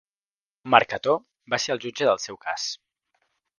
Marc Cató va ser el jutge del seu cas.